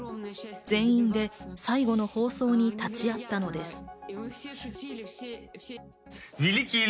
全員で最後の放送に立ち会ったのです。